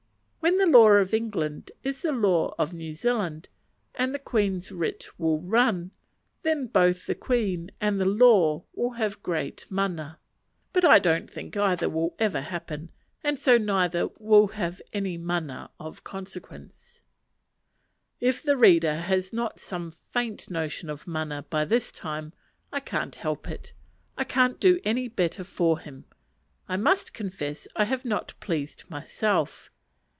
When the law of England is the law of New Zealand, and the Queen's writ will run, then both the Queen and the law will have great mana: but I don't think either will ever happen, and so neither will have any mana of consequence. If the reader has not some faint notion of mana by this time, I can't help it: I can't do any better for him. I must confess I have not pleased myself.